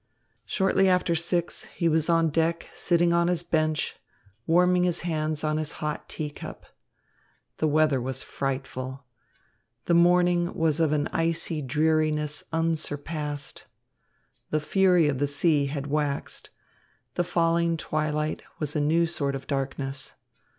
Shortly after six, he was on deck sitting on his bench, warming his hands on his hot tea cup. The weather was frightful. The morning was of an icy dreariness unsurpassed. The fury of the sea had waxed. The falling twilight was a new sort of darkness.